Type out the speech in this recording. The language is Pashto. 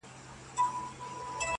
چي سترگو ته يې گورم، وای غزل لیکي.